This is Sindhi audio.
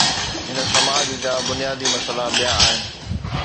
هن سماج جا بنيادي مسئلا ٻيا آهن.